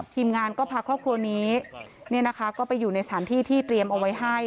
ทีมงานก็พาครอบครัวนี้ก็ไปอยู่ในสถานที่ที่เตรียมเอาไว้ให้